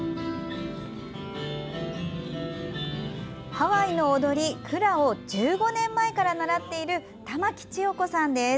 ハワイの踊り、フラを１５年前から習っている玉置千代子さんです。